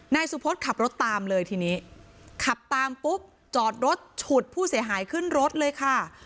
นายสุพศขับรถตามเลยทีนี้ขับตามปุ๊บจอดรถฉุดผู้เสียหายขึ้นรถเลยค่ะ